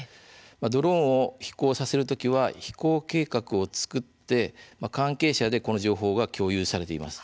ドローンを飛行させる時は飛行計画を作って、関係者でこの情報が共有されています。